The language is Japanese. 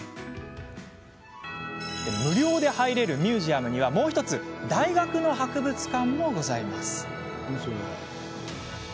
無料で入れるミュージアムにはもう１つ大学の博物館もあります。